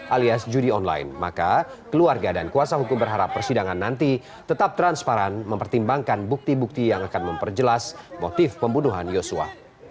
alias judi online maka keluarga dan kuasa hukum berharap persidangan nanti tetap transparan mempertimbangkan bukti bukti yang akan memperjelas motif pembunuhan yosua